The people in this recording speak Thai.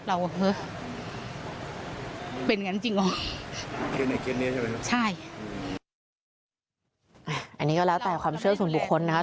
อันนี้ก็แล้วแต่ความเชื่อส่วนบุคคลนะคะ